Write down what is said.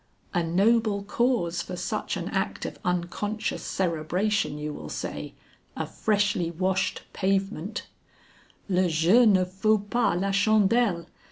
A noble cause for such an act of unconscious cerebration you will say, a freshly washed pavement: _Le jeu ne faut pas la chandelle.